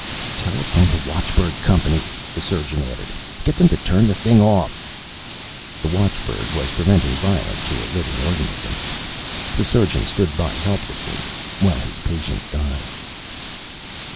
"Telephone the watchbird company!" the surgeon ordered. "Get them to turn the thing off." The watchbird was preventing violence to a living organism. The surgeon stood by helplessly while his patient died.